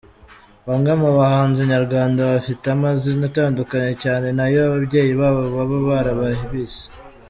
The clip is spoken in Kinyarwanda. Bamwe mu bahanzi nyarwanda bafite amazina atandukanye cyane n’ayo ababyeyi babo baba barabise.